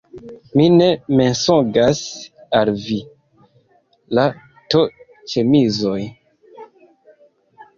mi ne mensogas al vi! la to-ĉemizoj.